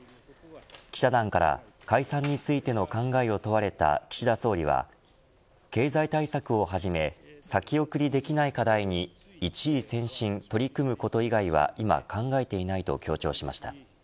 記者団から解散についての考えを問われた岸田総理は経済対策をはじめ先送りできない課題に一意専心取り組むこと以外は今考えていないと強調しました。